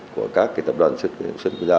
của các cái tập đoàn xuất quốc gia